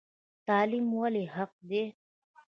تعلیم ولې حق دی؟